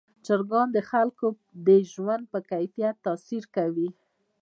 چرګان د خلکو د ژوند په کیفیت تاثیر کوي.